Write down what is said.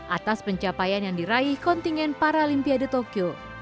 atas pencapaian yang diraih kontingen paralimpiade tokyo